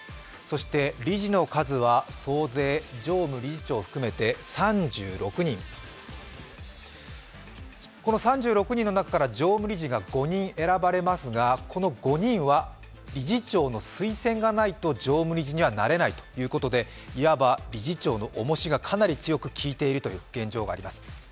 理事の数は総勢常務、理事長含めて３６人この３６人の中から常務理事が５人選ばれますが、この５人は理事長の推薦がないと常務理事にはなれないということでいわば理事長の重しが、かなりきいている現状があります。